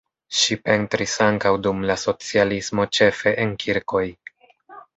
Ŝi pentris ankaŭ dum la socialismo ĉefe en kirkoj.